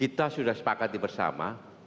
kita sudah sepakat bersama